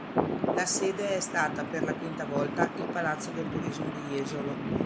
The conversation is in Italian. La sede è stata, per la quinta volta, il Palazzo del Turismo di Jesolo.